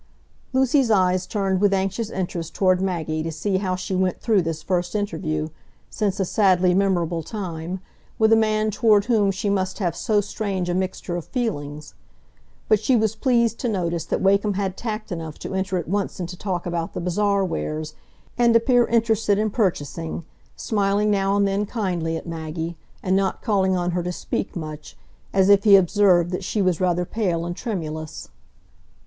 Lucy's eyes turned with anxious interest toward Maggie to see how she went through this first interview, since a sadly memorable time, with a man toward whom she must have so strange a mixture of feelings; but she was pleased to notice that Wakem had tact enough to enter at once into talk about the bazaar wares, and appear interested in purchasing, smiling now and then kindly at Maggie, and not calling on her to speak much, as if he observed that she was rather pale and tremulous.